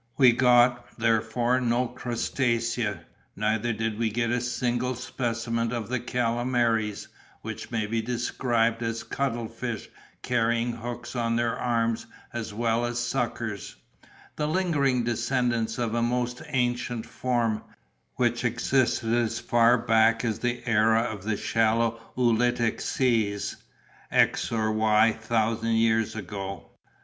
We got, therefore, no crustacea; neither did we get a single specimen of the calamaries, which may be described as cuttle fish carrying hooks on their arms as well as suckers, the lingering descendants of a most ancient form, which existed as far back as the era of the shallow oolitic seas, x or y thousand years ago.